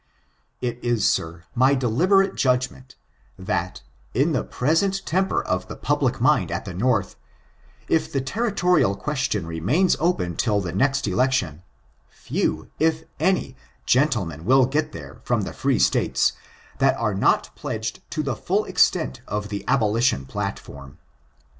It is, sir, my deliberate judgment, that, in the present temper of the public mind at the North, if the ^^^^ ^^^^%^^rf^^%^^^%^^^^^%^^^^^N^% i66 8IRICTDBB8 territorial question remains open till the aext ftlftctwp, few, if any, gentlemen will get there from the free States, that are not pledged to the fiill extent of the abolition platform."